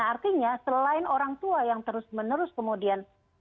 artinya selain orang tua yang terus menerus kemudian